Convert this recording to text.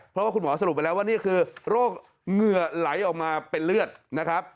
เพราะว่าคุณหมอสรุปไปแล้วว่านี่คือโรคเหงื่อไหลออกมาเป็นเลือดนะครับ